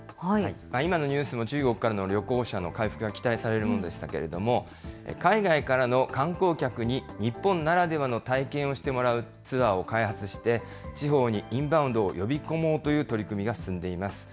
今のニュースも中国からの旅行者の数が期待されるものでしたけれども、海外からの観光客に日本ならではの体験をしてもらうツアーを開発して地方にインバウンドを呼び込もうという取り組みが進んでいます。